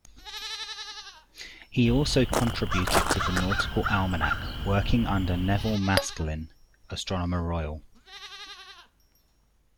He also contributed to the "Nautical Almanac", working under Nevil Maskelyne, Astronomer Royal.